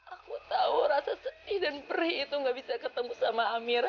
aku tahu rasa sedih dan perih itu gak bisa ketemu sama amira